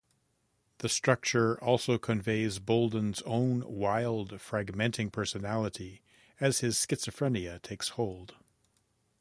The structure also conveys Bolden's own wild, fragmenting personality, as his schizophrenia takes hold.